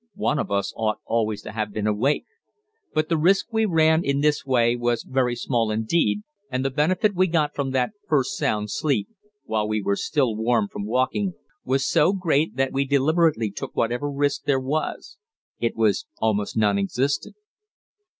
One of us ought always to have been awake. But the risk we ran in this way was very small indeed, and the benefit we got from that first sound sleep, while we were still warm from walking, was so great that we deliberately took whatever risk there was: it was almost non existent.